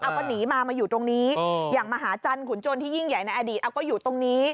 เอาก็หนีมามาอยู่ตรงนี้อย่างมหาจันทร์ขุนจนที่ยิ่งใหญ่ในอดีตเอาก็อยู่ตรงนี้